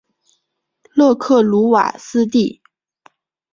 勒克鲁瓦斯蒂。